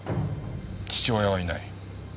父親はいない。